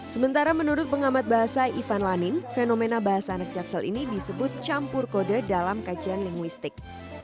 sementara menurut pengamat bahasa ivan lanin fenomena bahasa anak jaksel ini disebut campur kode dalam kajian linguistik